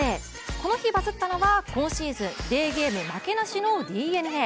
この日バズったのは今シーズン、デーゲーム負けなしのＤｅＮＡ。